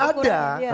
tidak sudah ada